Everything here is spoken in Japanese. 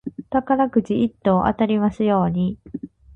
宝くじ一等当たりますように。